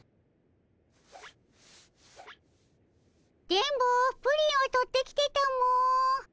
電ボプリンを取ってきてたも。